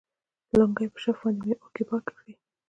د لونگۍ په شف باندې مې اوښکې پاکې کړي.